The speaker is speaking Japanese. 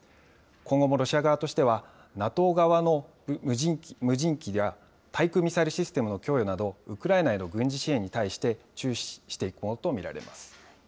今後もロシア側としては、ＮＡＴＯ側の無人機や対空ミサイルシステムの供与など、ウクライナへの軍事支援に対して注視していくものと見られます。